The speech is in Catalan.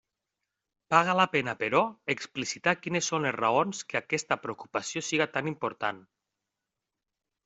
Paga la pena, però, explicitar quines són les raons que aquesta preocupació siga tan important.